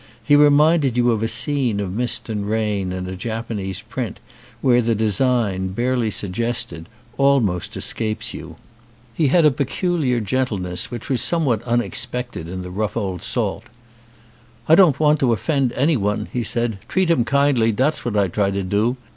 He reminded you of a scene of mist and rain in a Japanese print where the design, barely suggested, almost escapes you. He had a peculiar gentle 217 ON A CHINESE SCREEN ness which was somewhat unexpected in the rough old salt. "I don't want to offend anyone," he said. "Treat 'em kindly, dat's what I try to do.